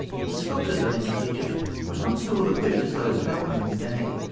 ] The sculptors of ancient Egypt were not so well equipped as those of our own day.